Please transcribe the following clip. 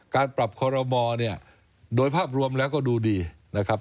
การปรับคอรมอเนี่ยโดยภาพรวมแล้วก็ดูดีนะครับ